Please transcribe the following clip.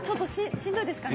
しんどいですね？